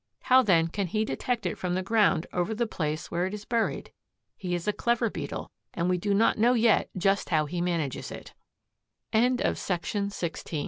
How, then, can he detect it from the ground over the place where it is buried? He is a clever Beetle, and we do not know yet just how he manages it. CHAPTER X